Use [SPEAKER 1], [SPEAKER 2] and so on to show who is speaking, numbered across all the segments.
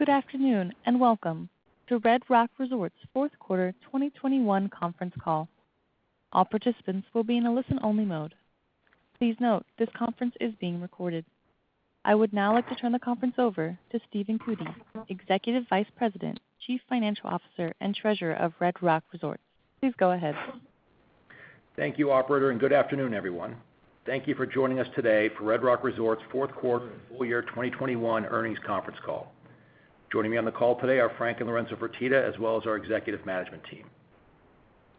[SPEAKER 1] Good afternoon, and welcome to Red Rock Resorts Q4 2021 Conference Call. All participants will be in a listen-only mode. Please note this conference is being recorded. I would now like to turn the conference over to Stephen Cootey, Executive Vice President, Chief Financial Officer, and Treasurer of Red Rock Resorts. Please go ahead.
[SPEAKER 2] Thank you operator, and good afternoon, everyone. Thank you for joining us today for Red Rock Resorts fourth quarter and full year 2021 earnings conference call. Joining me on the call today are Frank Fertitta and Lorenzo Fertitta, as well as our executive management team.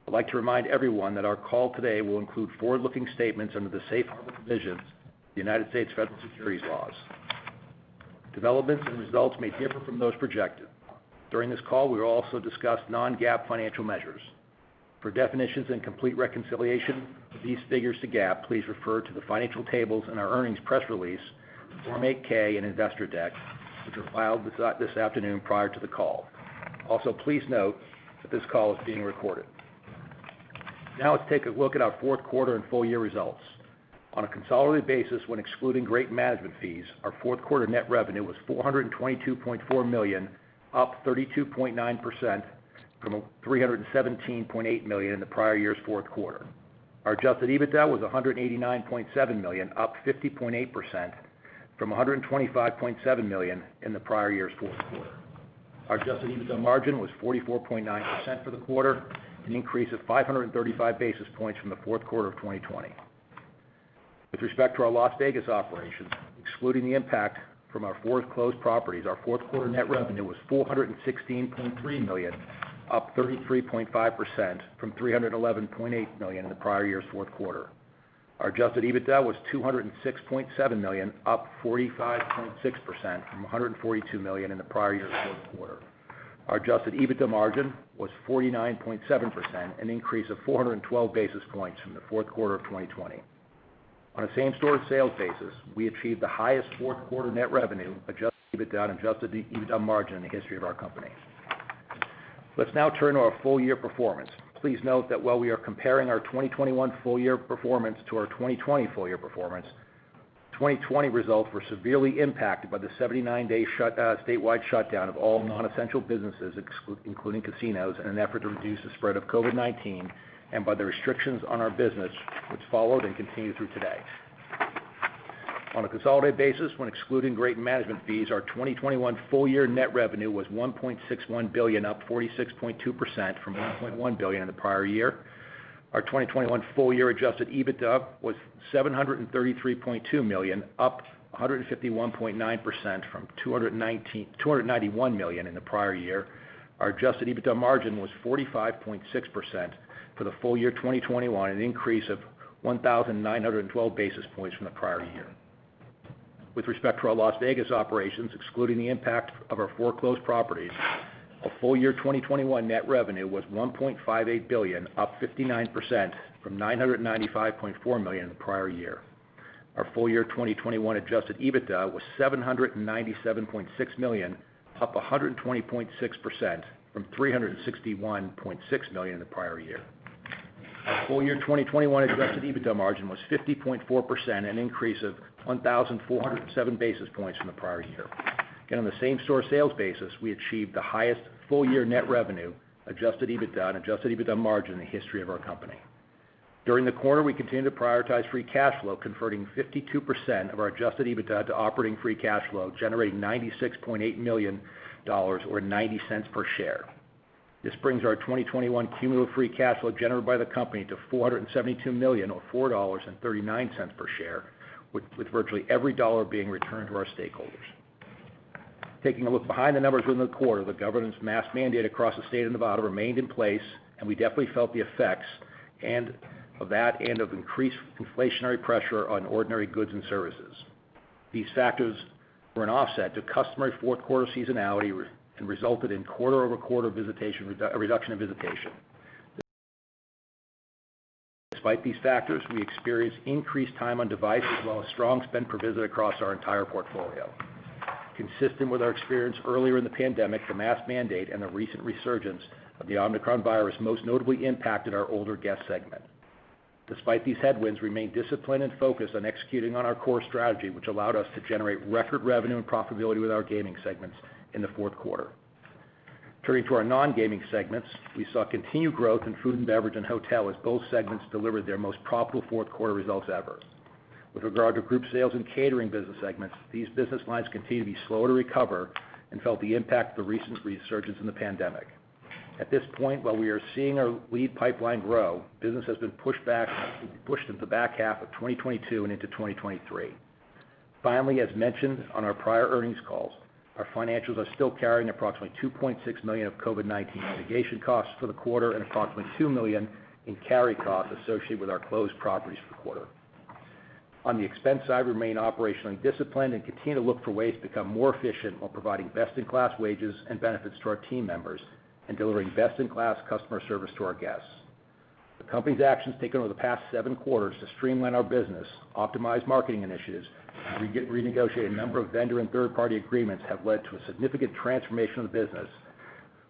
[SPEAKER 2] I'd like to remind everyone that our call today will include forward-looking statements under the safe harbor provisions of the United States federal securities laws. Developments and results may differ from those projected. During this call, we will also discuss non-GAAP financial measures. For definitions and complete reconciliation of these figures to GAAP, please refer to the financial tables in our earnings press release, Form 8-K and investor deck, which were filed this afternoon prior to the call. Also, please note that this call is being recorded. Now, let's take a look at our fourth quarter and full year results. On a consolidated basis, when excluding the management fees, our fourth quarter net revenue was $422.4 million, up 32.9% from $317.8 million in the prior year's fourth quarter. Our adjusted EBITDA was $189.7 million, up 50.8% from $125.7 million in the prior year's fourth quarter. Our adjusted EBITDA margin was 44.9% for the quarter, an increase of 535 basis points from the fourth quarter of 2020. With respect to our Las Vegas operations, excluding the impact from our four closed properties, our fourth quarter net revenue was $416.3 million, up 33.5% from $311.8 million in the prior year's fourth quarter. Our adjusted EBITDA was $206.7 million, up 45.6% from $142 million in the prior year's fourth quarter. Our adjusted EBITDA margin was 49.7%, an increase of 412 basis points from the fourth quarter of 2020. On a same-store sales basis, we achieved the highest fourth quarter net revenue, adjusted EBITDA, and adjusted EBITDA margin in the history of our company. Let's now turn to our full-year performance. Please note that while we are comparing our 2021 full-year performance to our 2020 full-year performance, the 2020 results were severely impacted by the 79-day statewide shutdown of all non-essential businesses, including casinos in an effort to reduce the spread of COVID-19 and by the restrictions on our business which followed and continue through today. On a consolidated basis, when excluding the management fees, our 2021 full year net revenue was $1.61 billion, up 46.2% from $1.1 billion in the prior year. Our 2021 full year adjusted EBITDA was $733.2 million, up 151.9% from $291 million in the prior year. Our adjusted EBITDA margin was 45.6% for the full year 2021, an increase of 1,912 basis points from the prior year. With respect to our Las Vegas operations, excluding the impact of our four closed properties, our full year 2021 net revenue was $1.58 billion, up 59% from $995.4 million in the prior year. Our full-year 2021 adjusted EBITDA was $797.6 million, up 120.6% from $361.6 million in the prior year. Our full-year 2021 adjusted EBITDA margin was 50.4%, an increase of 1,407 basis points from the prior year. On the same store sales basis, we achieved the highest full-year net revenue, adjusted EBITDA, and adjusted EBITDA margin in the history of our company. During the quarter, we continued to prioritize free cash flow, converting 52% of our adjusted EBITDA to operating free cash flow, generating $96.8 million or $0.90 per share. This brings our 2021 cumulative free cash flow generated by the company to $472 million or $4.39 per share, with virtually every dollar being returned to our stakeholders. Taking a look behind the numbers during the quarter, the government's mask mandate across the state of Nevada remained in place, and we definitely felt the effects of that and of increased inflationary pressure on ordinary goods and services. These factors were an offset to customary fourth quarter seasonality and resulted in quarter-over-quarter visitation reduction in visitation. Despite these factors, we experienced increased time on device as well as strong spend per visit across our entire portfolio. Consistent with our experience earlier in the pandemic, the mask mandate and the recent resurgence of the Omicron virus most notably impacted our older guest segment. Despite these headwinds, we remain disciplined and focused on executing on our core strategy, which allowed us to generate record revenue and profitability with our gaming segments in the fourth quarter. Turning to our non-gaming segments, we saw continued growth in Food and Beverage and Hotel as both segments delivered their most profitable fourth quarter results ever. With regard to Group Sales and Catering business segments, these business lines continue to be slow to recover and felt the impact of the recent resurgence in the pandemic. At this point, while we are seeing our lead pipeline grow, business has been pushed to the back half of 2022 and into 2023. Finally, as mentioned on our prior earnings calls, our financials are still carrying approximately $2.6 million of COVID-19 litigation costs for the quarter and approximately $2 million in carry costs associated with our closed properties for the quarter. On the expense side, we remain operationally disciplined and continue to look for ways to become more efficient while providing best-in-class wages and benefits to our team members and delivering best-in-class customer service to our guests. The company's actions taken over the past 7 quarters to streamline our business, optimize marketing initiatives, renegotiate a number of vendor and third-party agreements, have led to a significant transformation of the business,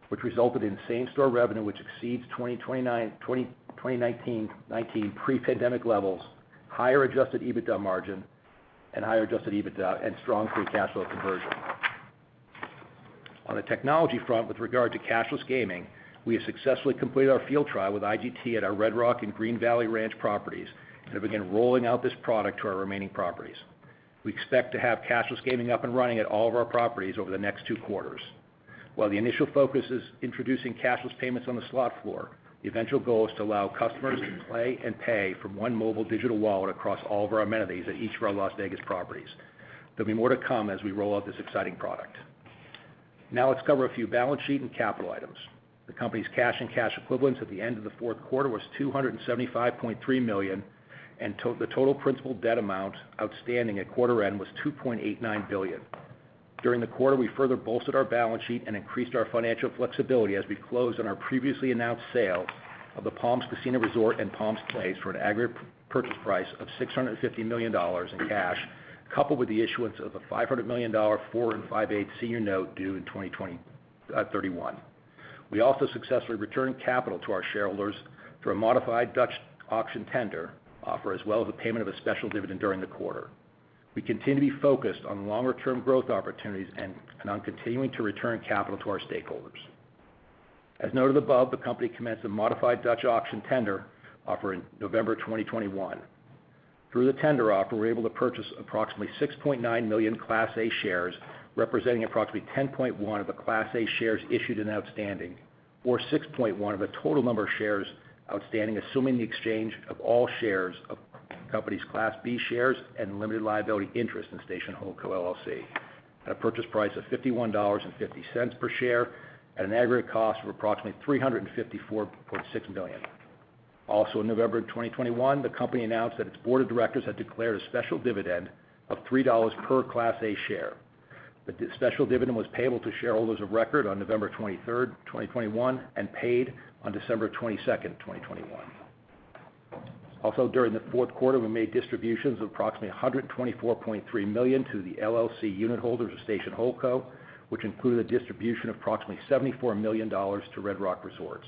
[SPEAKER 2] which resulted in same store revenue, which exceeds 2019 pre-pandemic levels, higher adjusted EBITDA margin and higher adjusted EBITDA and strong free cash flow conversion. On a technology front with regard to cashless gaming, we have successfully completed our field trial with IGT at our Red Rock and Green Valley Ranch properties and have begun rolling out this product to our remaining properties. We expect to have cashless gaming up and running at all of our properties over the next two quarters. While the initial focus is introducing cashless payments on the slot floor, the eventual goal is to allow customers to play and pay from one mobile digital wallet across all of our amenities at each of our Las Vegas properties. There'll be more to come as we roll out this exciting product. Now let's cover a few balance sheet and capital items. The company's cash and cash equivalents at the end of the fourth quarter was $275.3 million, and the total principal debt amount outstanding at quarter end was $2.89 billion. During the quarter, we further bolstered our balance sheet and increased our financial flexibility as we closed on our previously announced sale of the Palms Casino Resort and Palms Place for an aggregate purchase price of $650 million in cash, coupled with the issuance of a $500 million 4.58% senior note due in 2031. We also successfully returned capital to our shareholders through a modified Dutch auction tender offer as well as a payment of a special dividend during the quarter. We continue to be focused on longer term growth opportunities and on continuing to return capital to our stakeholders. As noted above, the company commenced a modified Dutch auction tender offer in November 2021. Through the tender offer, we're able to purchase approximately 6.9 million Class A shares, representing approximately 10.1% of the Class A shares issued and outstanding, or 6.1% of the total number of shares outstanding, assuming the exchange of all shares of the company's Class B shares and limited liability interest in Station Holdco LLC. At a purchase price of $51.50 per share at an aggregate cost of approximately $354.6 million. Also in November 2021, the company announced that its board of directors had declared a special dividend of $3 per Class A share. The special dividend was payable to shareholders of record on November 23, 2021 and paid on December 22, 2021. During the fourth quarter, we made distributions of approximately $124.3 million to the LLC unit holders of Station Holdco, which included a distribution of approximately $74 million to Red Rock Resorts.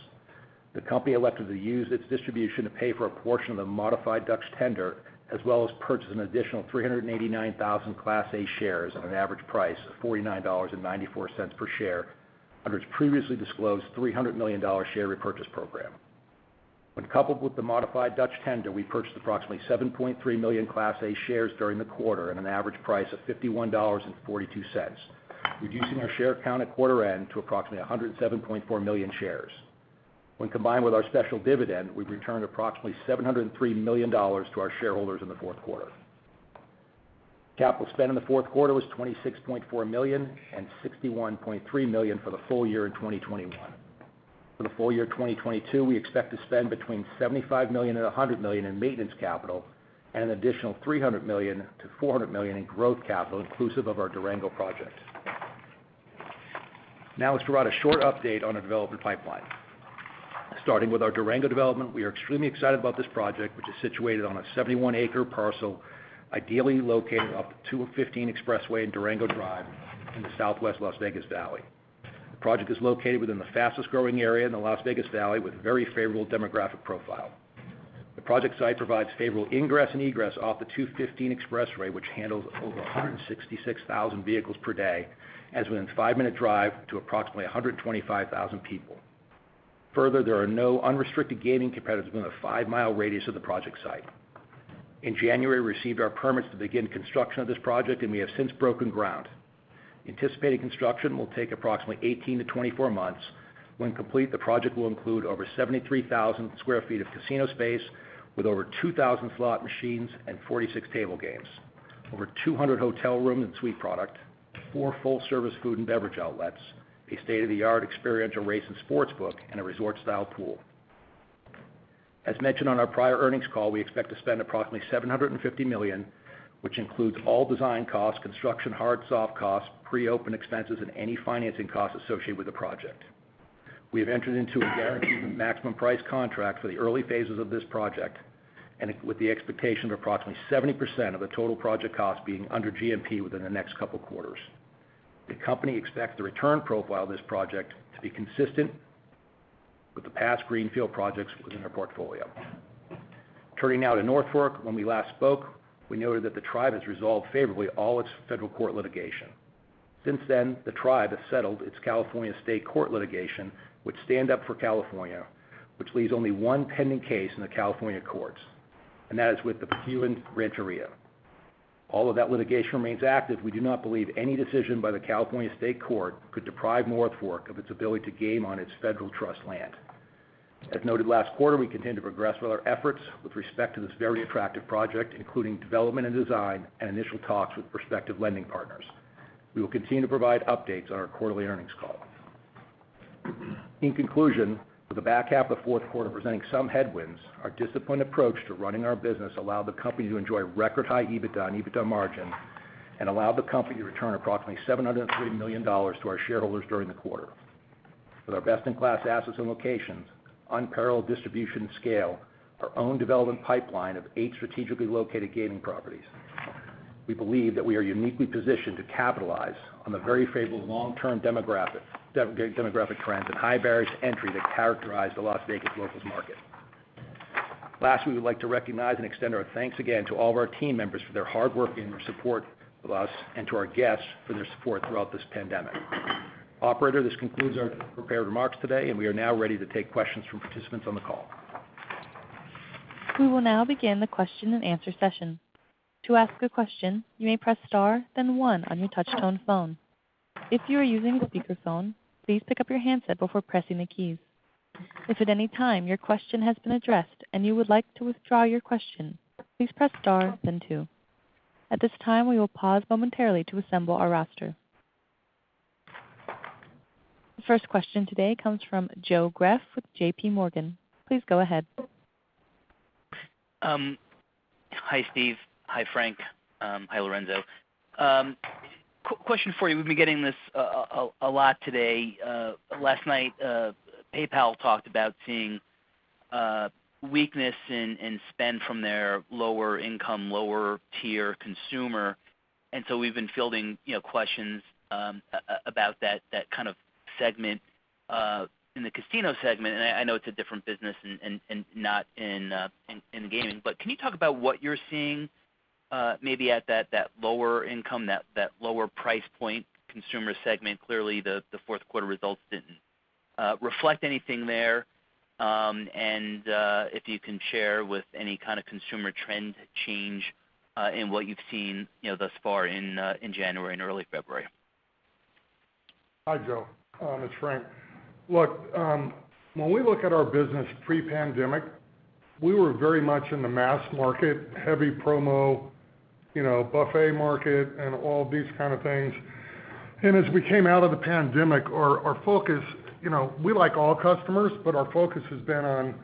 [SPEAKER 2] The company elected to use its distribution to pay for a portion of the modified Dutch tender, as well as purchase an additional 389,000 Class A shares at an average price of $49.94 per share under its previously disclosed $300 million share repurchase program. When coupled with the modified Dutch tender, we purchased approximately 7.3 million Class A shares during the quarter at an average price of $51.42, reducing our share count at quarter end to approximately 107.4 million shares. When combined with our special dividend, we've returned approximately $703 million to our shareholders in the fourth quarter. Capital spend in the fourth quarter was $26.4 million and $61.3 million for the full year in 2021. For the full year 2022, we expect to spend between $75 million and $100 million in maintenance capital and an additional $300 million-$400 million in growth capital inclusive of our Durango project. Now let's provide a short update on the development pipeline. Starting with our Durango development, we are extremely excited about this project, which is situated on a 71-acre parcel, ideally located off the 215 expressway in Durango Drive in the southwest Las Vegas Valley. The project is located within the fastest-growing area in the Las Vegas Valley with a very favorable demographic profile. The project site provides favorable ingress and egress off the 215 expressway, which handles over 166,000 vehicles per day, and is within a five minute drive to approximately 125,000 people. Further, there are no unrestricted gaming competitors within a 5 mi radius of the project site. In January, we received our permits to begin construction of this project, and we have since broken ground. Anticipated construction will take approximately 18-24 months. When complete, the project will include over 73,000 sq ft of casino space with over 2,000 slot machines and 46 table games, over 200 hotel rooms and suite product, four full-service food and beverage outlets, a state-of-the-art experiential race and sportsbook, and a resort-style pool. As mentioned on our prior earnings call, we expect to spend approximately $750 million, which includes all design costs, construction, hard and soft costs, pre-open expenses, and any financing costs associated with the project. We have entered into a guaranteed maximum price contract for the early phases of this project, and with the expectation of approximately 70% of the total project cost being under GMP within the next couple quarters. The company expects the return profile of this project to be consistent with the past greenfield projects within our portfolio. Turning now to North Fork. When we last spoke, we noted that the tribe has resolved favorably all its federal court litigation. Since then, the tribe has settled its California state court litigation with Stand Up for California, which leaves only one pending case in the California courts, and that is with the Picayune Rancheria. Although that litigation remains active, we do not believe any decision by the California state court could deprive North Fork of its ability to game on its federal trust land. As noted last quarter, we continue to progress with our efforts with respect to this very attractive project, including development and design and initial talks with prospective lending partners. We will continue to provide updates on our quarterly earnings call. In conclusion, with the back half of the fourth quarter presenting some headwinds, our disciplined approach to running our business allowed the company to enjoy record high EBITDA and EBITDA margin and allowed the company to return approximately $703 million to our shareholders during the quarter. With our best-in-class assets and locations, unparalleled distribution scale, our own development pipeline of eight strategically located gaming properties. We believe that we are uniquely positioned to capitalize on the very favorable long-term demographic trends and high barriers to entry that characterize the Las Vegas locals market. Last, we would like to recognize and extend our thanks again to all of our team members for their hard work and their support with us and to our guests for their support throughout this pandemic. Operator, this concludes our prepared remarks today, and we are now ready to take questions from participants on the call.
[SPEAKER 1] We will now begin the question and answer session. To ask a question, you may press star then one on your touchtone phone. If you are using a speakerphone, please pick up your handset before pressing the keys. If at any time your question has been addressed and you would like to withdraw your question, please press star then two. At this time, we will pause momentarily to assemble our roster. The first question today comes from Joe Greff with J.P. Morgan. Please go ahead.
[SPEAKER 3] Hi, Steve. Hi, Frank. Hi, Lorenzo. Question for you, we've been getting this a lot today. Last night, PayPal talked about seeing weakness in spend from their lower income, lower tier consumer. We've been fielding, you know, questions about that kind of segment in the casino segment. I know it's a different business and not in gaming. Can you talk about what you're seeing, maybe at that lower income, that lower price point consumer segment? Clearly, the fourth quarter results didn't reflect anything there. If you can share any kind of consumer trend change in what you've seen, you know, thus far in January and early February.
[SPEAKER 4] Hi, Joe. It's Frank. Look, when we look at our business pre-pandemic, we were very much in the mass market, heavy promo, you know, buffet market and all of these kind of things. As we came out of the pandemic, our focus. You know, we like all customers, but our focus has been on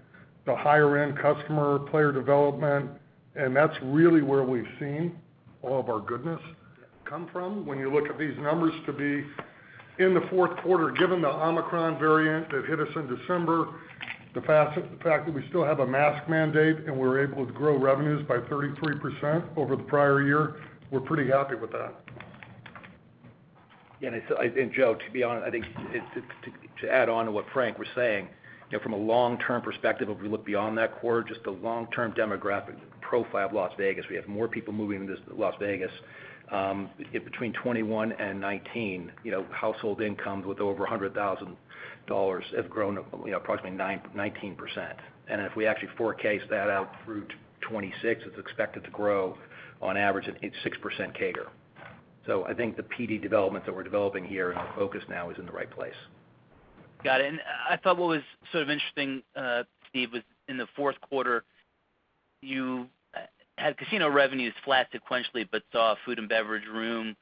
[SPEAKER 4] the higher end customer player development, and that's really where we've seen all of our goodness come from. When you look at these numbers through the fourth quarter, given the Omicron variant that hit us in December, the fact that we still have a mask mandate and we're able to grow revenues by 33% over the prior year, we're pretty happy with that.
[SPEAKER 2] Joe, to be honest, I think it's to add on to what Frank was saying, you know, from a long-term perspective, if we look beyond that quarter, just the long-term demographic profile of Las Vegas, we have more people moving to Las Vegas between 21 and 19. You know, household incomes with over $100,000 have grown, you know, approximately 19%. If we actually forecast that out through 2026, it's expected to grow on average at 8.6% CAGR. I think the player development that we're developing here and our focus now is in the right place.
[SPEAKER 3] Got it. I thought what was sort of interesting, Steve, was in the fourth quarter, you had casino revenues flat sequentially, but saw food and beverage room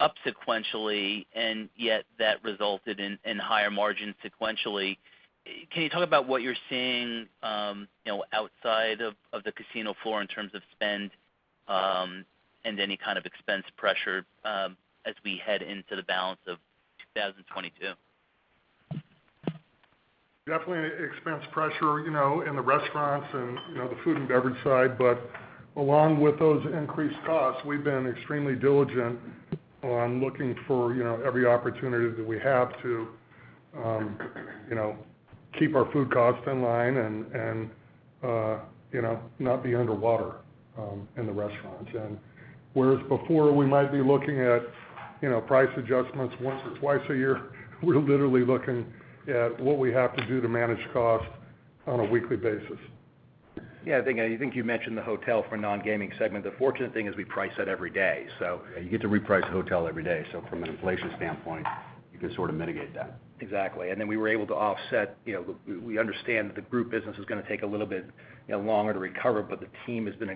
[SPEAKER 3] up sequentially, and yet that resulted in higher margins sequentially. Can you talk about what you're seeing, you know, outside of the casino floor in terms of spend, and any kind of expense pressure, as we head into the balance of 2022?
[SPEAKER 4] Definitely expense pressure, you know, in the restaurants and, you know, the food and beverage side. Along with those increased costs, we've been extremely diligent on looking for, you know, every opportunity that we have to, you know, keep our food costs in line and, you know, not be underwater in the restaurants. Whereas before we might be looking at, you know, price adjustments once or twice a year, we're literally looking at what we have to do to manage costs on a weekly basis.
[SPEAKER 2] Yeah, I think you mentioned the hotel for non-gaming segment. The fortunate thing is we price that every day, so you get to reprice the hotel every day. So from an inflation standpoint, you can sort of mitigate that. Exactly. Then we were able to offset. You know, we understand that the group business is gonna take a little bit, you know, longer to recover, but the team has done a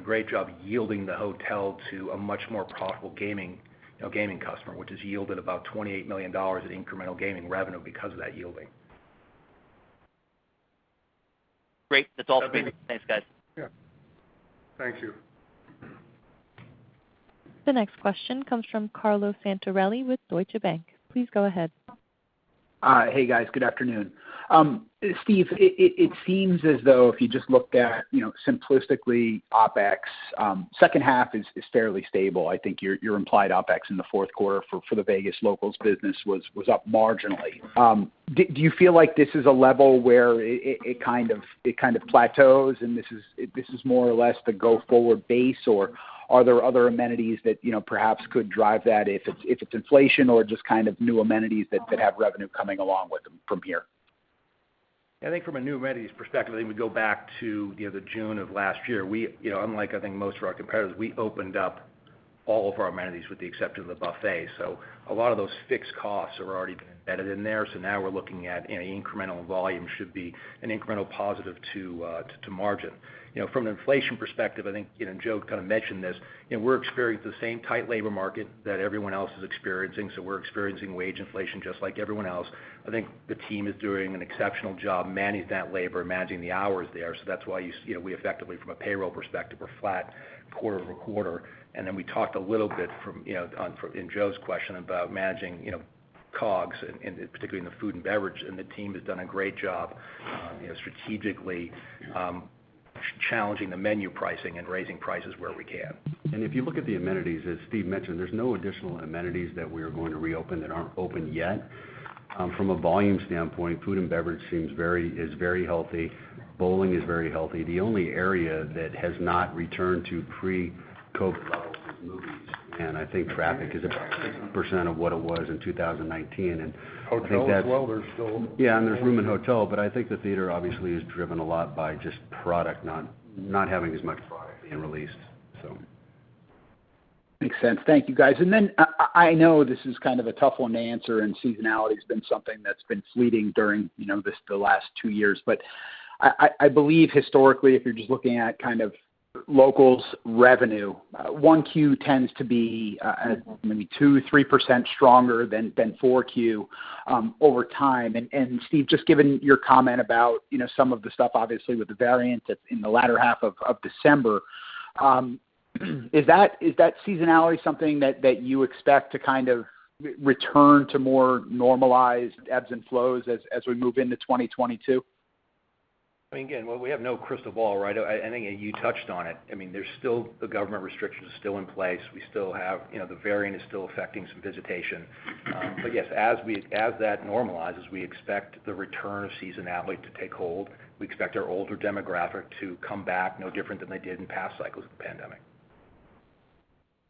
[SPEAKER 2] great job yielding the hotel to a much more profitable gaming, you know, gaming customer, which has yielded about $28 million in incremental gaming revenue because of that yielding.
[SPEAKER 3] Great. That's all for me.
[SPEAKER 4] Okay.
[SPEAKER 3] Thanks, guys.
[SPEAKER 4] Yeah. Thank you.
[SPEAKER 1] The next question comes from Carlo Santarelli with Deutsche Bank. Please go ahead.
[SPEAKER 5] Hey, guys. Good afternoon. Steve, it seems as though if you just looked at, you know, simplistically, OpEx, second half is fairly stable. I think your implied OpEx in the fourth quarter for the Vegas locals business was up marginally. Do you feel like this is a level where it kind of plateaus and this is more or less the go-forward base, or are there other amenities that, you know, perhaps could drive that if it's inflation or just kind of new amenities that have revenue coming along with them from here?
[SPEAKER 2] I think from a new amenities perspective, I think we go back to, you know, the June of last year. We, you know, unlike, I think most of our competitors, we opened up all of our amenities with the exception of the buffet. So a lot of those fixed costs are already embedded in there. So now we're looking at any incremental volume should be an incremental positive to margin. You know, from an inflation perspective, I think, you know, and Joe kind of mentioned this, you know, we're experiencing the same tight labor market that everyone else is experiencing, so we're experiencing wage inflation just like everyone else. I think the team is doing an exceptional job managing that labor, managing the hours there. So that's why you know, we effectively from a payroll perspective are flat quarter-over-quarter. We talked a little bit from, you know, in Joe's question about managing, you know, COGS and particularly in the food and beverage. The team has done a great job, strategically, challenging the menu pricing and raising prices where we can.
[SPEAKER 6] If you look at the amenities, as Steve mentioned, there's no additional amenities that we are going to reopen that aren't open yet. From a volume standpoint, food and beverage is very healthy. Bowling is very healthy. The only area that has not returned to pre-COVID-19 levels is movies. I think traffic is about 60% of what it was in 2019. I think that's-
[SPEAKER 2] Hotel as well.
[SPEAKER 6] Yeah, there's room in hotel. I think the theater obviously is driven a lot by just product, not having as much product being released, so.
[SPEAKER 5] Makes sense. Thank you, guys. I know this is kind of a tough one to answer, and seasonality has been something that's been fleeting during you know this the last two years. I believe historically, if you're just looking at kind of locals revenue, Q1 tends to be maybe 2%-3% stronger than Q4 over time. Steve, just given your comment about you know some of the stuff, obviously with the variant that's in the latter half of December, is that seasonality something that you expect to kind of return to more normalized ebbs and flows as we move into 2022?
[SPEAKER 2] I mean, again, well, we have no crystal ball, right? I think you touched on it. I mean, there's still the government restrictions are still in place. We still have, you know, the variant is still affecting some visitation. But yes, as that normalizes, we expect the return of seasonality to take hold. We expect our older demographic to come back, no different than they did in past cycles of the pandemic.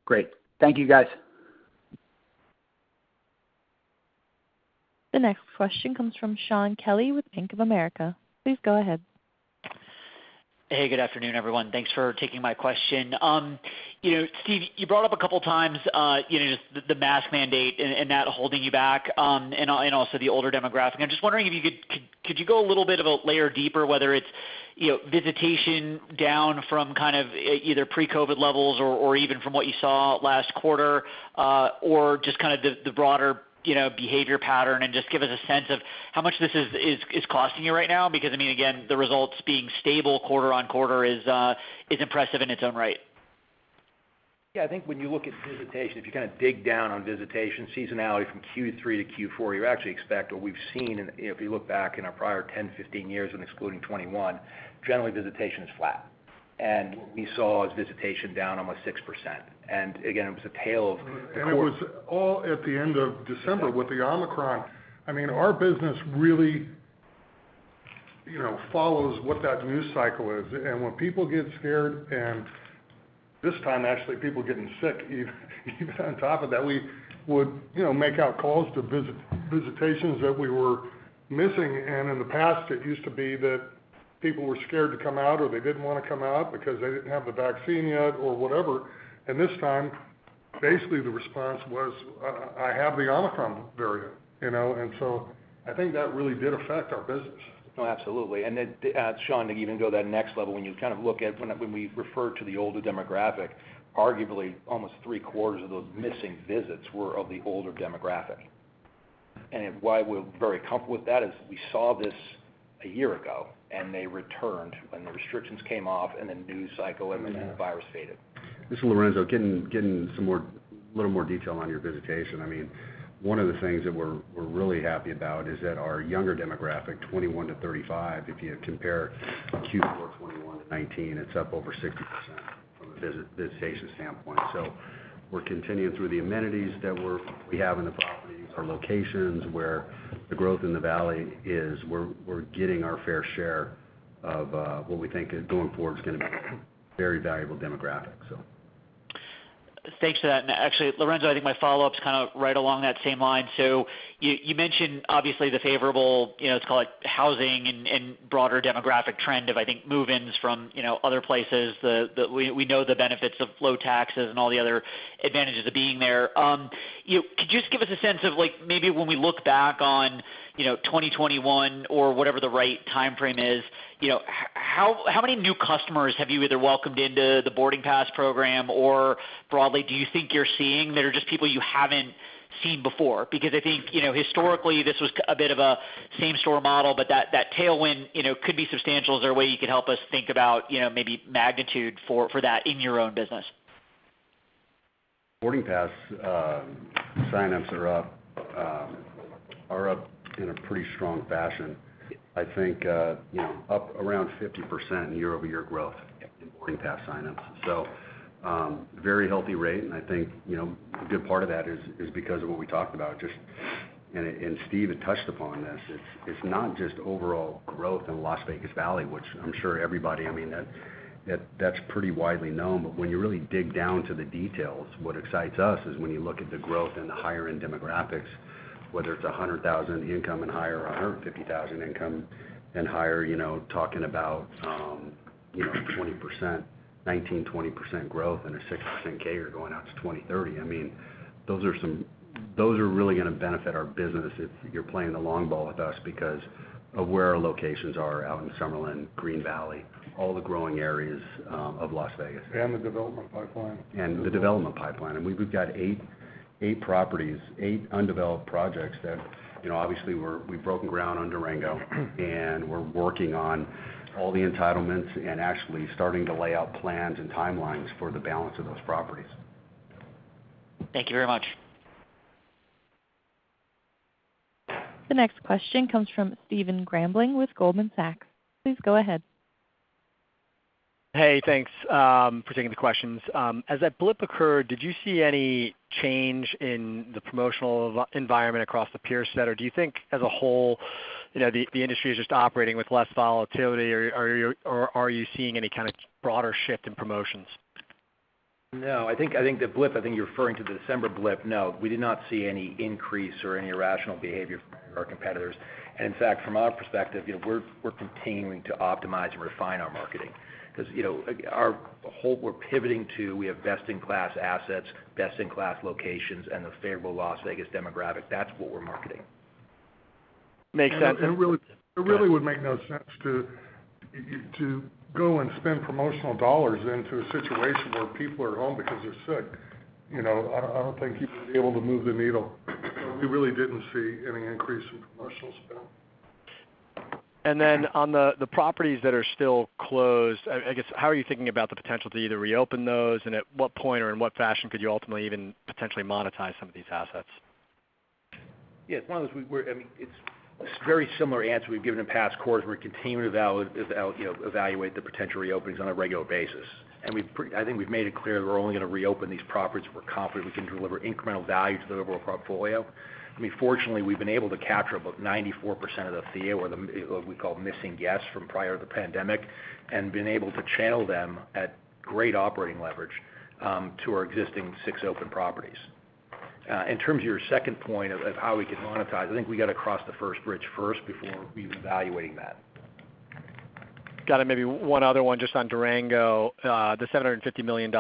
[SPEAKER 5] Great. Thank you, guys.
[SPEAKER 1] The next question comes from Shaun C. Kelley with Bank of America. Please go ahead.
[SPEAKER 7] Hey, good afternoon, everyone. Thanks for taking my question. You know, Steve, you brought up a couple of times, you know, just the mask mandate and that holding you back, and also the older demographic. I'm just wondering if you could go a little bit of a layer deeper, whether it's, you know, visitation down from kind of either pre-COVID levels or even from what you saw last quarter, or just kind of the broader behavior pattern, and just give us a sense of how much this is costing you right now? Because, I mean, again, the results being stable quarter-over-quarter is impressive in its own right.
[SPEAKER 2] Yeah. I think when you look at visitation, if you kind of dig down on visitation seasonality from Q3 to Q4, you actually expect, or we've seen, and if you look back in our prior 10, 15 years and excluding 2021, generally visitation is flat. What we saw is visitation down almost 6%. Again, it was a tale of
[SPEAKER 6] It was all at the end of December with the Omicron. I mean, our business really, you know, follows what that news cycle is. When people get scared, and this time, actually, people getting sick even on top of that, we would, you know, make outreach calls to visitations that we were missing. In the past, it used to be that people were scared to come out or they didn't wanna come out because they didn't have the vaccine yet or whatever. This time, basically, the response was, I have the Omicron variant, you know. I think that really did affect our business.
[SPEAKER 2] No, absolutely. Sean, to even go that next level, when you kind of look at when we refer to the older demographic, arguably almost three-quarters of those missing visits were of the older demographic. Why we're very comfortable with that is we saw this a year ago, and they returned when the restrictions came off and the news cycle and the virus faded.
[SPEAKER 6] This is Lorenzo. Getting some more little more detail on your visitation. I mean, one of the things that we're really happy about is that our younger demographic, 21-35, if you compare Q4 2021 to 2019, it's up over 60% from a visitation standpoint. We're continuing through the amenities that we have in the properties, our locations, where the growth in the valley is. We're getting our fair share of what we think is going forward is gonna be a very valuable demographic.
[SPEAKER 7] Thanks for that. Actually, Lorenzo, I think my follow-up is kind of right along that same line. You mentioned obviously the favorable, you know, let's call it housing and broader demographic trend of, I think, move-ins from, you know, other places. We know the benefits of low taxes and all the other advantages of being there. Could you just give us a sense of like, maybe when we look back on, you know, 2021 or whatever the right time frame is, you know, how many new customers have you either welcomed into the Boarding Pass program, or broadly, do you think you're seeing that are just people you haven't seen before? Because I think, you know, historically, this was a bit of a same store model, but that tailwind, you know, could be substantial. Is there a way you could help us think about, you know, maybe magnitude for that in your own business?
[SPEAKER 6] Boarding Pass sign-ups are up in a pretty strong fashion. I think you know up around 50% year-over-year growth in Boarding Pass sign-ups. Very healthy rate. I think you know a good part of that is because of what we talked about. Steve had touched upon this. It's not just overall growth in Las Vegas Valley, which I'm sure everybody I mean that's pretty widely known. When you really dig down to the details, what excites us is when you look at the growth in the higher end demographics, whether it's 100,000 income and higher, or 150,000 income and higher, you know talking about 19%-20% growth and a 6% CAGR going out to 2030. I mean, those are really gonna benefit our business if you're playing the long ball with us because of where our locations are out in Summerlin, Green Valley, all the growing areas of Las Vegas.
[SPEAKER 2] The development pipeline.
[SPEAKER 6] The development pipeline. I mean, we've got eight properties, eight undeveloped projects that. You know, obviously we've broken ground on Durango, and we're working on all the entitlements and actually starting to lay out plans and timelines for the balance of those properties.
[SPEAKER 7] Thank you very much.
[SPEAKER 1] The next question comes from Stephen Grambling with Goldman Sachs. Please go ahead.
[SPEAKER 8] Hey, thanks for taking the questions. As that blip occurred, did you see any change in the promotional environment across the peer set? Or do you think as a whole, you know, the industry is just operating with less volatility, or are you seeing any kind of broader shift in promotions?
[SPEAKER 2] No. I think you're referring to the December blip. No, we did not see any increase or any irrational behavior from any of our competitors. In fact, from our perspective, you know, we're continuing to optimize and refine our marketing because, you know, we're pivoting to we have best-in-class assets, best-in-class locations, and the favorable Las Vegas demographic. That's what we're marketing.
[SPEAKER 8] Makes sense.
[SPEAKER 4] It really would make no sense to go and spend promotional dollars into a situation where people are home because they're sick. You know, I don't think you would be able to move the needle. We really didn't see any increase in promotional spend.
[SPEAKER 8] On the properties that are still closed, I guess, how are you thinking about the potential to either reopen those, and at what point or in what fashion could you ultimately even potentially monetize some of these assets?
[SPEAKER 2] Yeah. As long as we're, I mean, it's very similar answer we've given in past quarters. We're continuing to you know, evaluate the potential reopenings on a regular basis. We've I think we've made it clear that we're only gonna reopen these properties if we're confident we can deliver incremental value to the overall portfolio. I mean, fortunately, we've been able to capture about 94% of the database or the, or who we call missing guests from prior to the pandemic, and been able to channel them at great operating leverage to our existing six open properties. In terms of your second point of how we could monetize, I think we gotta cross the first bridge first before even evaluating that.
[SPEAKER 8] Got it. Maybe one other one just on Durango. The $750 million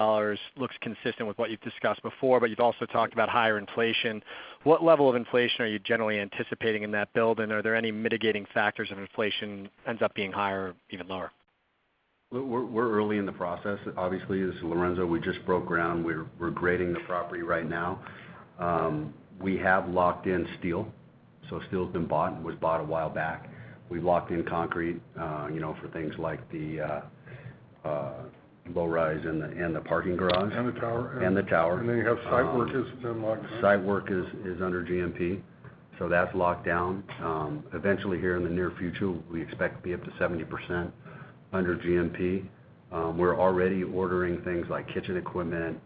[SPEAKER 8] looks consistent with what you've discussed before, but you've also talked about higher inflation. What level of inflation are you generally anticipating in that build, and are there any mitigating factors if inflation ends up being higher or even lower?
[SPEAKER 2] We're early in the process. Obviously, as Lorenzo, we just broke ground. We're grading the property right now. We have locked in steel, so steel's been bought and was bought a while back. We've locked in concrete, you know, for things like the low rise, the parking garage,
[SPEAKER 6] and the tower. Site work has been locked in. Site work is under GMP, so that's locked down. Eventually here in the near future, we expect to be up to 70% under GMP. We're already ordering things like kitchen equipment,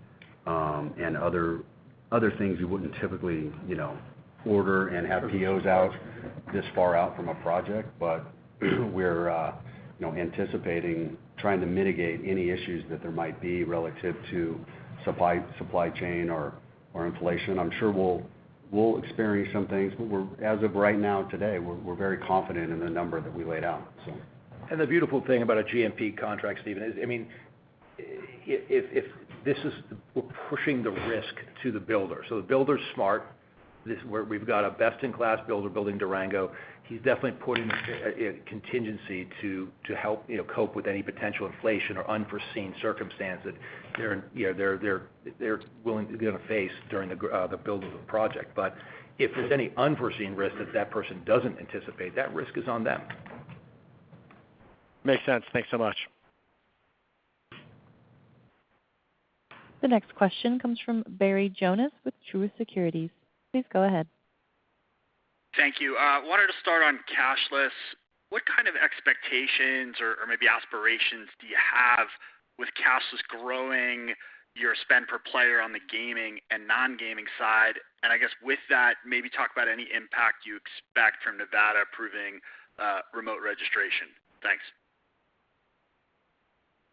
[SPEAKER 6] and other things you wouldn't typically, you know, order and have POs out this far out from a project. We're, you know, anticipating trying to mitigate any issues that there might be relative to supply chain or inflation. I'm sure we'll experience some things, but we're as of right now today, we're very confident in the number that we laid out, so.
[SPEAKER 2] The beautiful thing about a GMP contract, Stephen, is, I mean, if this is we're pushing the risk to the builder. The builder's smart. This is where we've got a best-in-class builder building Durango. He's definitely putting a contingency to help, you know, cope with any potential inflation or unforeseen circumstance that they're, you know, willing to face during the build of the project. But if there's any unforeseen risk that that person doesn't anticipate, that risk is on them.
[SPEAKER 8] Makes sense. Thanks so much.
[SPEAKER 1] The next question comes from Barry Jonas with Truist Securities. Please go ahead.
[SPEAKER 9] Thank you. I wanted to start on cashless. What kind of expectations or maybe aspirations do you have with cashless growing your spend per player on the gaming and non-gaming side? I guess with that, maybe talk about any impact you expect from Nevada approving remote registration. Thanks.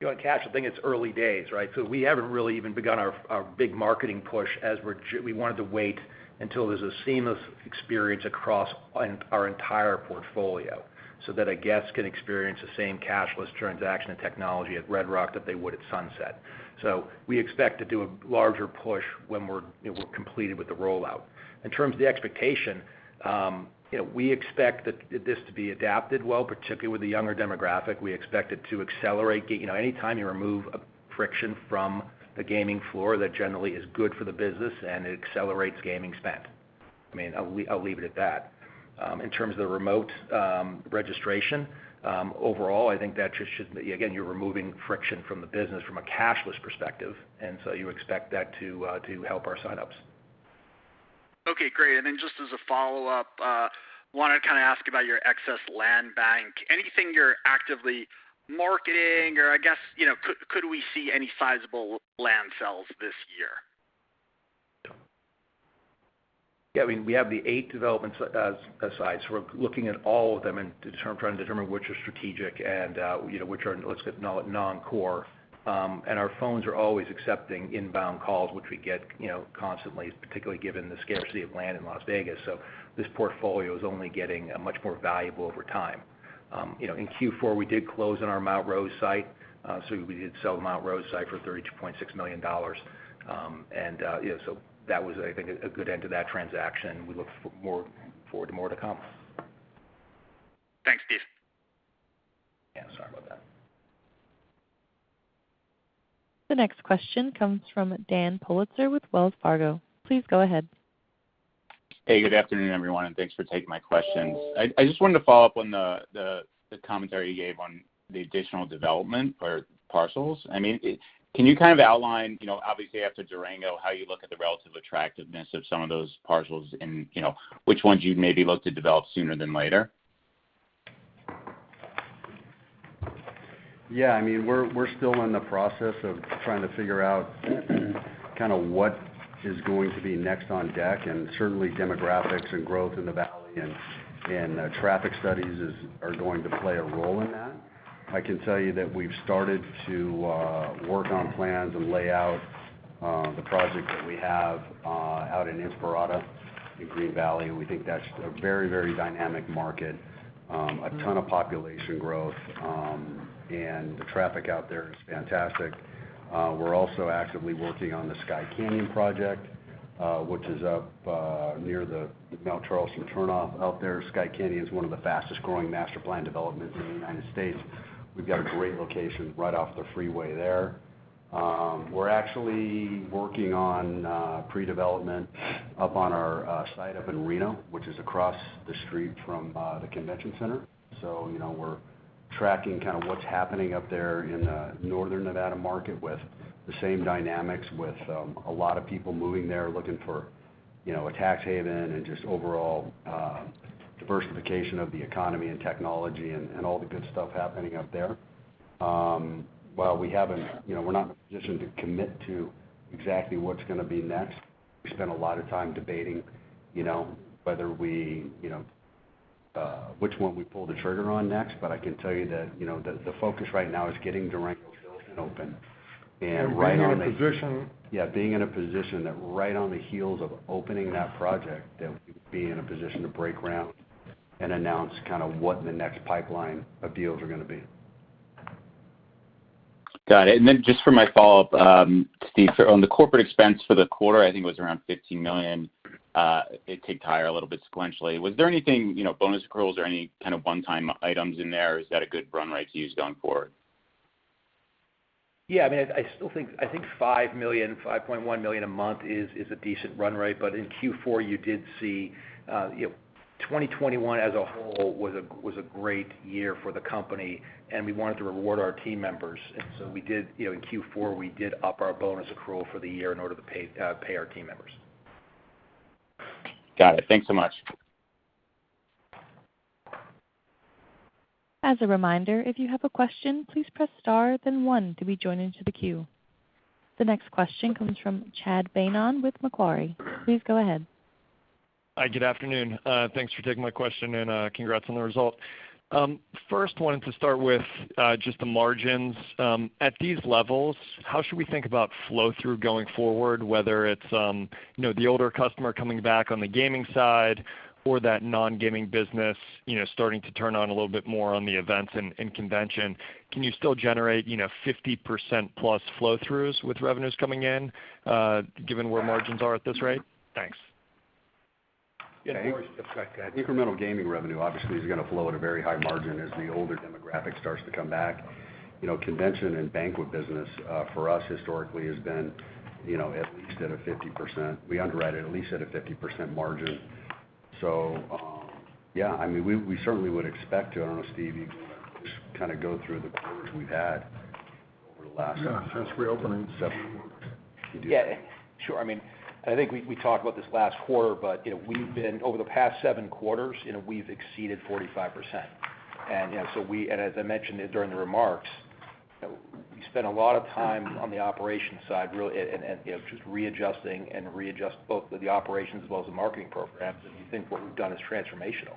[SPEAKER 2] You know, on cashless, I think it's early days, right? We haven't really even begun our big marketing push as we wanted to wait until there's a seamless experience across our entire portfolio, so that our guests can experience the same cashless transaction and technology at Red Rock that they would at Sunset. We expect to do a larger push when we're, you know, completed with the rollout. In terms of the expectation, you know, we expect that this to be adapted well, particularly with the younger demographic. We expect it to accelerate you know, anytime you remove a friction from the gaming floor, that generally is good for the business and it accelerates gaming spend. I mean, I'll leave it at that. In terms of the remote registration overall, I think that just should, again, you're removing friction from the business from a cashless perspective, and so you expect that to help our sign-ups.
[SPEAKER 9] Okay, great. Just as a follow-up, wanted to kind of ask about your excess land bank. Anything you're actively marketing or I guess, you know, could we see any sizable land sales this year?
[SPEAKER 2] Yeah. I mean, we have the eight developments aside, so we're looking at all of them and trying to determine which are strategic and, you know, which are, let's say, non-core. Our phones are always accepting inbound calls, which we get, you know, constantly, particularly given the scarcity of land in Las Vegas. So this portfolio is only getting much more valuable over time. You know, in Q4, we did close on our Mount Rose site, so we did sell the Mount Rose site for $32.6 million. Yeah, so that was, I think, a good end to that transaction. We look forward to more to come.
[SPEAKER 6] Yeah, sorry about that.
[SPEAKER 1] The next question comes from Daniel Politzer with Wells Fargo. Please go ahead.
[SPEAKER 10] Hey, good afternoon, everyone, and thanks for taking my questions. I just wanted to follow up on the commentary you gave on the additional development or parcels. I mean, can you kind of outline, you know, obviously after Durango, how you look at the relative attractiveness of some of those parcels and, you know, which ones you'd maybe look to develop sooner than later?
[SPEAKER 6] Yeah, I mean, we're still in the process of trying to figure out kind of what is going to be next on deck and certainly demographics and growth in the valley and traffic studies are going to play a role in that. I can tell you that we've started to work on plans and lay out the project that we have out in Inspirada in Green Valley. We think that's a very, very dynamic market, a ton of population growth, and the traffic out there is fantastic. We're also actively working on the Sky Canyon project, which is up near the Mount Charleston turnoff out there. Sky Canyon is one of the fastest-growing master plan developments in the United States. We've got a great location right off the freeway there. We're actually working on pre-development up on our site up in Reno, which is across the street from the convention center. You know, we're tracking kind of what's happening up there in Northern Nevada market with the same dynamics, with a lot of people moving there, looking for, you know, a tax haven and just overall diversification of the economy and technology and all the good stuff happening up there. While we haven't, you know, we're not in a position to commit to exactly what's gonna be next. We spent a lot of time debating, you know, whether we, you know, which one we pull the trigger on next. I can tell you that, you know, the focus right now is getting Durango built and open right on the-
[SPEAKER 4] Being in a position.
[SPEAKER 6] Yeah, being in a position that right on the heels of opening that project, that we would be in a position to break ground and announce kind of what the next pipeline of deals are gonna be.
[SPEAKER 10] Got it. Just for my follow-up, Steve, on the corporate expense for the quarter, I think it was around $50 million. It ticked higher a little bit sequentially. Was there anything, you know, bonus accruals or any kind of one-time items in there? Is that a good run rate to use going forward?
[SPEAKER 2] Yeah, I mean, I still think $5 million-$5.1 million a month is a decent run rate. In Q4, you did see, you know, 2021 as a whole was a great year for the company, and we wanted to reward our team members. We did, you know, in Q4, we did up our bonus accrual for the year in order to pay our team members.
[SPEAKER 10] Got it. Thanks so much.
[SPEAKER 1] As a reminder, if you have a question, please press star then one to be joined into the queue. The next question comes from Chad Beynon with Macquarie. Please go ahead.
[SPEAKER 11] Hi, good afternoon. Thanks for taking my question, and congrats on the result. First, I wanted to start with just the margins. At these levels, how should we think about flow-through going forward, whether it's, you know, the older customer coming back on the gaming side or that non-gaming business, you know, starting to turn on a little bit more on the events and convention? Can you still generate, you know, 50% plus flow-throughs with revenues coming in, given where margins are at this rate? Thanks.
[SPEAKER 6] Yeah.
[SPEAKER 4] Yeah.
[SPEAKER 6] Incremental gaming revenue obviously is gonna flow at a very high margin as the older demographic starts to come back. You know, convention and banquet business for us historically has been, you know, at least at a 50%. We underwrite it at least at a 50% margin. Yeah, I mean, we certainly would expect to. I don't know, Steve, you wanna just kinda go through the quarters we've had over the last-
[SPEAKER 4] Yeah, since reopening.
[SPEAKER 6] Seven quarters.
[SPEAKER 2] Yeah, sure. I mean, I think we talked about this last quarter, but you know, we've been over the past seven quarters, you know, we've exceeded 45%. You know, as I mentioned during the remarks, we spent a lot of time on the operations side, really, and you know, just readjusting and readjust both the operations as well as the marketing programs. We think what we've done is transformational.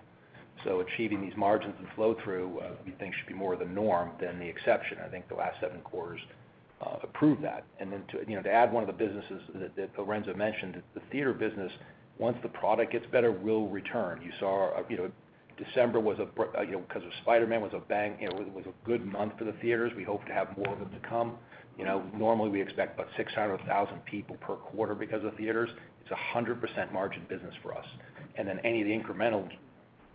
[SPEAKER 2] Achieving these margins and flow-through, we think should be more the norm than the exception. I think the last seven quarters prove that. You know, to add one of the businesses that Lorenzo mentioned, the theater business, once the product gets better, will return. You saw, you know, December was a, you know, because of Spider-Man, was a bang, you know, it was a good month for the theaters. We hope to have more of them to come. You know, normally we expect about 600,000 people per quarter because of theaters. It's a 100% margin business for us. Any of the incremental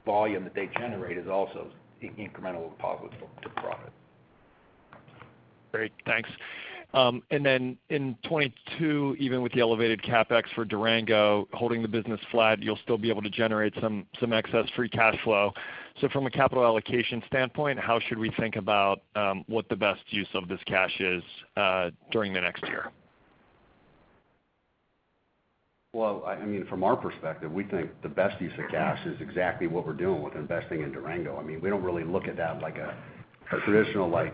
[SPEAKER 2] volume that they generate is also incremental positive to profit.
[SPEAKER 11] Great. Thanks. In 2022, even with the elevated CapEx for Durango holding the business flat, you'll still be able to generate some excess free cash flow. From a capital allocation standpoint, how should we think about what the best use of this cash is during the next year?
[SPEAKER 6] Well, I mean, from our perspective, we think the best use of cash is exactly what we're doing with investing in Durango. I mean, we don't really look at that like a traditional, like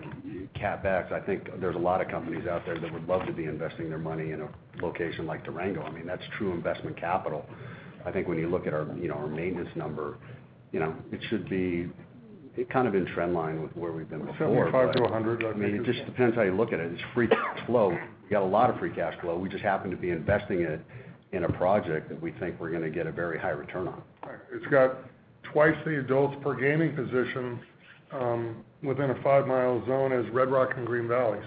[SPEAKER 6] CapEx. I think there's a lot of companies out there that would love to be investing their money in a location like Durango. I mean, that's true investment capital. I think when you look at our, you know, our maintenance number, you know, it should be kind of in trend line with where we've been before.
[SPEAKER 4] 75 to 100.
[SPEAKER 6] I mean, it just depends how you look at it. It's free cash flow. We got a lot of free cash flow. We just happen to be investing it in a project that we think we're gonna get a very high return on.
[SPEAKER 4] Right. It's got twice the adults per gaming position within a five-mile zone as Red Rock and Green Valley.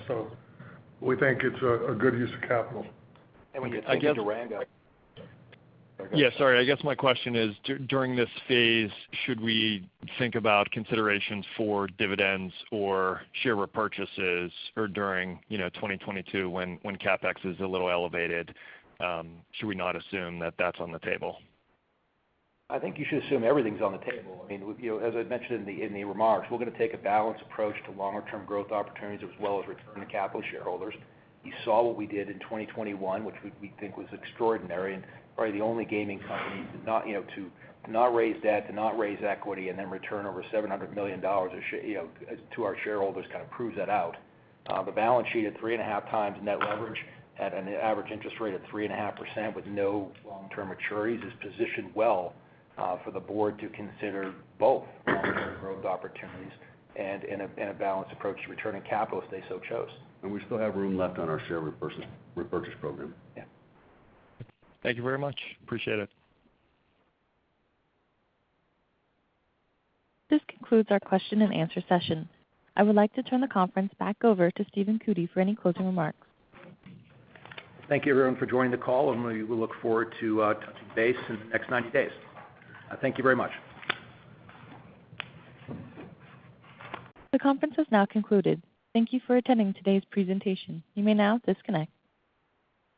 [SPEAKER 4] We think it's a good use of capital.
[SPEAKER 2] When you think of Durango
[SPEAKER 11] Yeah, sorry. I guess my question is, during this phase, should we think about considerations for dividends or share repurchases or during, you know, 2022 when CapEx is a little elevated? Should we not assume that that's on the table?
[SPEAKER 2] I think you should assume everything's on the table. I mean, you know, as I mentioned in the remarks, we're gonna take a balanced approach to long-term growth opportunities as well as return of capital to shareholders. You saw what we did in 2021, which we think was extraordinary and probably the only gaming company to not raise debt, to not raise equity, and then return over $700 million to our shareholders, you know, kind of proves that out. The balance sheet at 3.5x net leverage at an average interest rate of 3.5% with no long-term maturities is positioned well for the board to consider both long-term growth opportunities and in a balanced approach to returning capital if they so chose.
[SPEAKER 6] We still have room left on our share repurchase program.
[SPEAKER 2] Yeah.
[SPEAKER 11] Thank you very much. Appreciate it.
[SPEAKER 1] This concludes our question and answer session. I would like to turn the conference back over to Stephen Cootey for any closing remarks.
[SPEAKER 2] Thank you everyone for joining the call, and we look forward to touching base in the next 90 days. Thank you very much.
[SPEAKER 1] The conference has now concluded. Thank you for attending today's presentation. You may now disconnect.